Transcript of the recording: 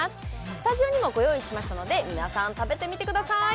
スタジオにもご用意しましたので皆さん食べてみてくださーい